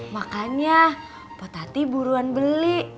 makanya potati buruan beli